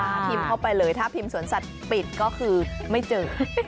พิมพ์เข้าไปเลยถ้าพิมพ์สวนสัตว์ปิดก็คือไม่เจอ